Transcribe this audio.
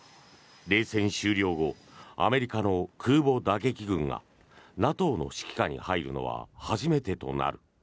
冷戦終了後アメリカの空母打撃群がＮＡＴＯの指揮下に入るのは初めてとなる。